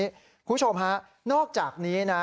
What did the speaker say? คุณผู้ชมฮะนอกจากนี้นะ